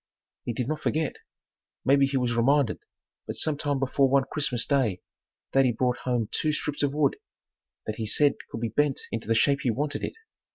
He did not forget. Maybe he was reminded, but some time before one Christmas day daddy brought home two strips of wood that he said could be bent into the shape he wanted it.